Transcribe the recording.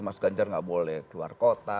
mas ganjar nggak boleh keluar kota